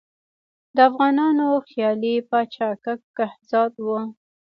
د افغانانو خیالي پاچا کک کهزاد وو.